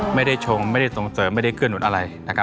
ไม่ได้ชงไม่ได้ส่งเสริมไม่ได้เกือบหนุนอะไร